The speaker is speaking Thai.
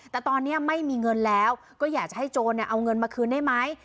แต่ตอนนี้ไม่มีเงินแล้วก็อยากจะให้โจรเอาเงินมาคืนได้ไหม